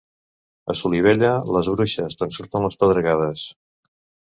A Solivella, les bruixes, d'on surten les pedregades.